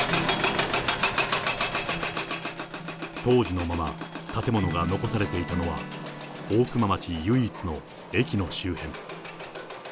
当時のまま、建物が残されていたのは、大熊町唯一の駅の周辺。